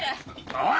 おい！